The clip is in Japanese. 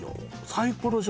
サイコロ状？